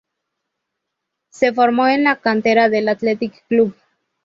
Se formó en la cantera del Athletic Club.